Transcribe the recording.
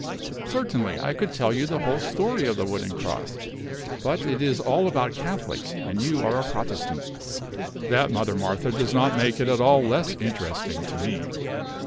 "Certainly. I could tell you the whole history of the wooden cross; but it is all about Catholics, and you are a Protestant." "That, Mother Martha, does not make it at all less interesting to me."